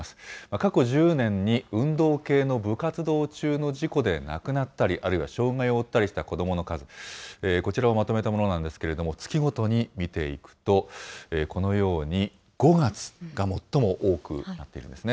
過去１０年に、運動系の部活動中の事故で亡くなったり、あるいは障害を負ったりした子どもの数、こちらをまとめたものなんですけれども、月ごとに見ていくと、このように５月が最も多くなっているんですね。